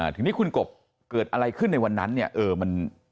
ทีนี้คุณกบเกิดอะไรขึ้นในวันนั้นเนี่ยเออมัน